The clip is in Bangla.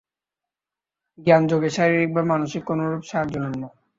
জ্ঞানযোগী শারীরিক বা মানসিক কোনরূপ সাহায্য লন না।